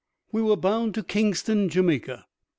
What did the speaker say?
We were bound to Kingston, Jamaica.